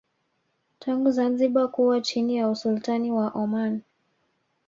tangu Zanzibar kuwa chini ya Usultani wa Oman